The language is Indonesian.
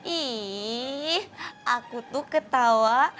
ih aku tuh ketawa